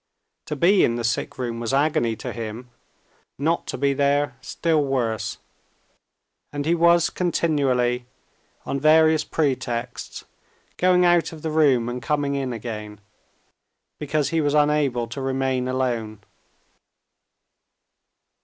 To be in the sick room was agony to him, not to be there still worse. And he was continually, on various pretexts, going out of the room, and coming in again, because he was unable to remain alone.